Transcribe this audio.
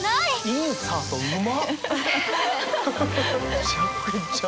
インサートうま！